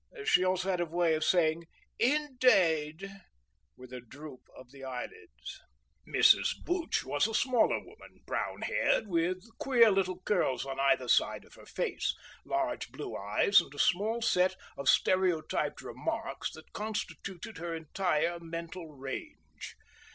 She also had a way of saying "Indade!" with a droop of the eyelids. Mrs. Booch was a smaller woman, brown haired, with queer little curls on either side of her face, large blue eyes and a small set of stereotyped remarks that constituted her entire mental range.